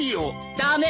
駄目！